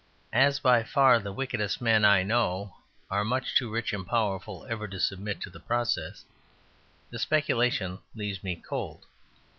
As by far the wickedest men I know of are much too rich and powerful ever to submit to the process, the speculation leaves me cold.